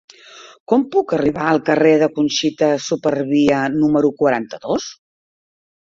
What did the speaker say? Com puc arribar al carrer de Conxita Supervia número quaranta-dos?